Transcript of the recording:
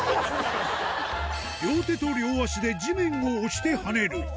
両手と両足で地面を押して跳ねる